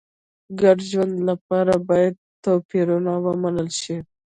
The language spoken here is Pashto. د ګډ ژوند لپاره باید توپیرونه ومنل شي.